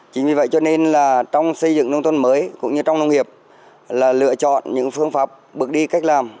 chính vì vậy cho nên là trong xây dựng nông thôn mới cũng như trong nông nghiệp là lựa chọn những phương pháp bước đi cách làm